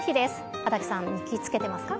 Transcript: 安宅さん、日記つけてますか？